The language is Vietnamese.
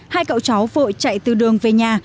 hai cậu cháu vội chạy từ đường về nhà